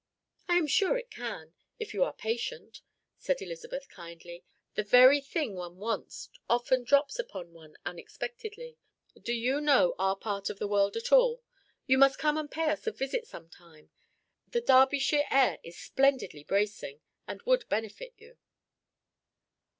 "I am sure it can, if you are patient," said Elizabeth kindly. "The very thing one wants often drops upon one unexpectedly. Do you know our part of the world at all? You must come and pay us a visit some time; the Derbyshire air is splendidly bracing, and would benefit you."